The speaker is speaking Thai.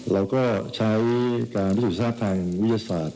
เราก็ใช้การพิสูจน์ทราบทางวิทยาศาสตร์